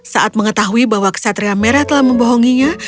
saat mengetahui bahwa kesatria merah telah membohonginya